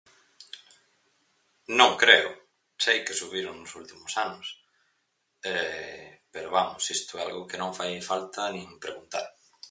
Non creo, sei que subiron nos últimos anos, pero, vamos, isto é algo que non fai falta nin preguntar.